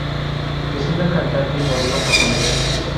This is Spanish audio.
Es una cantante y modelo japonesa.